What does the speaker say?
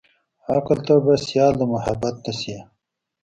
عقله ته به سيال د محبت نه شې.